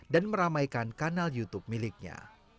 dan meramaikan kanal youtube miliknya